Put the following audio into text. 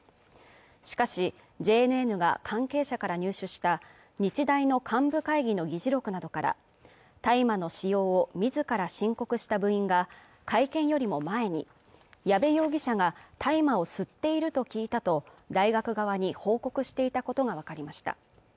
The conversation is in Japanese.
しかしＪＮＮが関係者から入手した日大の幹部会議の議事録などから大麻の使用を自ら申告した部員が会見よりも前に矢部容疑者が大麻を吸っていると聞いたと大学側に報告していたことが分かりました